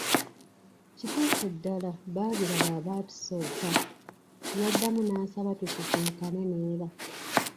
Kituufu ddala baabiraba abaatusooka! Yaddamu n'ansaba tusisinkane n'era.